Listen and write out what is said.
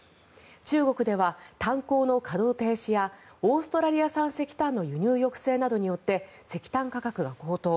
中国では炭鉱の稼働停止やオーストラリア産石炭の輸入抑制などによって石炭価格が高騰。